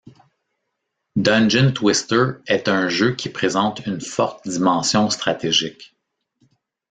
Dungeon Twister est un jeu qui présente une forte dimension stratégique.